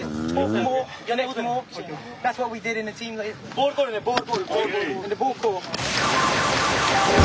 ボールコールねボールコール。